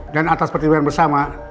dan atas pertimbangan bersama